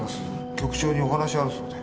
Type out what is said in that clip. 局長にお話があるそうで。